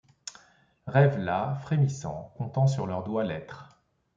Rêvent là, frémissants, comptant sur leurs doigts l’être ;